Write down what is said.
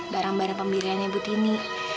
barang barang pembeliannya butini